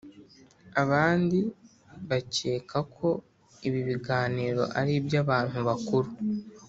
abandi bakeka ko ibi biganiro ari iby’abantu bakuru,